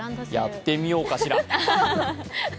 やってみようかしら。